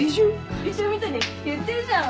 怪獣みたいに言ってるじゃん。